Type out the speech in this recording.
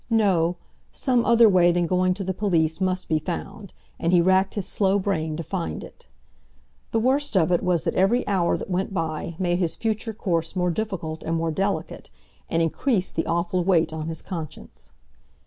No, some other way than going to the police must be found—and he racked his slow brain to find it. The worst of it was that every hour that went by made his future course more difficult and more delicate, and increased the awful weight on his conscience.